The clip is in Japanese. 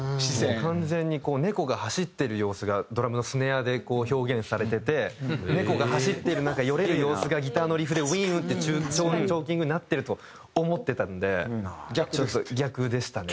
完全に猫が走っている様子がドラムのスネアで表現されてて猫が走ってるなんかよれる様子がギターのリフでウイーンってチョーキングになってると思ってたんでちょっと逆でしたね。